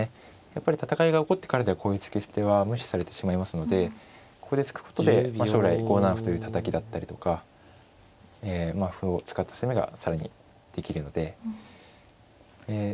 やっぱり戦いが起こってからではこういう突き捨ては無視されてしまいますのでここで突くことで将来５七歩というたたきだったりとか歩を使った攻めが更にできるのでえ